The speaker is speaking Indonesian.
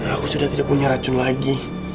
aku sudah tidak punya racun lagi